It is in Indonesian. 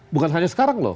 bukan hanya sekarang loh